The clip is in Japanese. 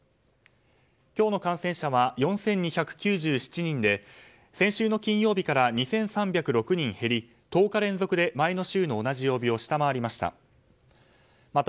今日の感染者は４２９７人で先週の金曜日から２３０６人減り１０日連続で前の週の同じ曜日を下回りました。